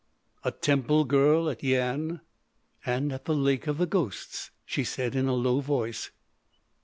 "A temple girl at Yian?" "And at the Lake of the Ghosts," she said in a low voice.